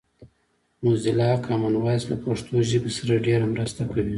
موزیلا کامن وایس له پښتو ژبې سره ډېره مرسته کوي